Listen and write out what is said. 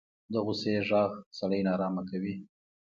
د غوسې غږ سړی نارامه کوي